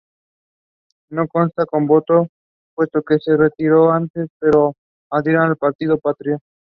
No consta su voto puesto que se retiró antes, pero adhería al partido patriota.